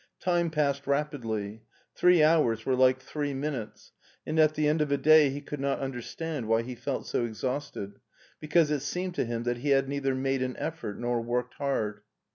Time passed rapidly. Three hours were like three minutes, and at the end of a day he could not understand why he felt so exhausted^ because it seemed to him that he had neither made an effort nor worked hard.